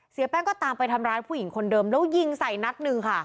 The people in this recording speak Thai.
แป้งก็ตามไปทำร้ายผู้หญิงคนเดิมแล้วยิงใส่นัดหนึ่งค่ะ